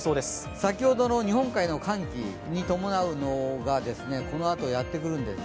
先ほどの日本海の寒気に伴うものが、このあとやってくるんです。